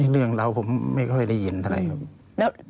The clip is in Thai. เรื่องเราผมไม่ค่อยได้ยินอะไรครับ